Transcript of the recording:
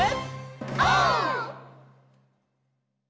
オー！